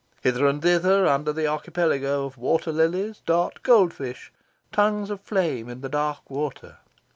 Hither and thither under the archipelago of water lilies, dart gold fish tongues of flame in the dark water.